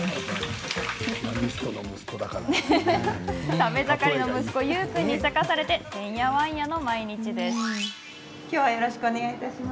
食べ盛りの息子・ゆう君にせかされててんやわんやの毎日です。